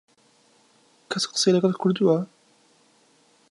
کەس قسەی لەگەڵ کردووە؟